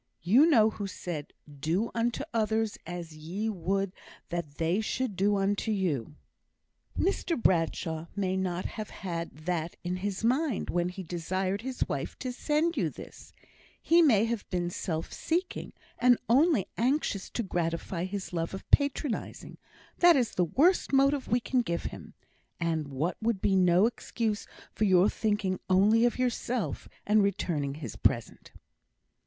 You know who said, 'Do unto others as ye would that they should do unto you'? Mr Bradshaw may not have had that in his mind when he desired his wife to send you this; he may have been self seeking, and only anxious to gratify his love of patronising that is the worst motive we can give him; and that would be no excuse for your thinking only of yourself, and returning his present."